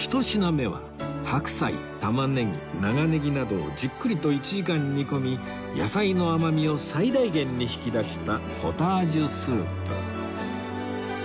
１品目は白菜玉ねぎ長ねぎなどをじっくりと１時間煮込み野菜の甘みを最大限に引き出したポタージュスープ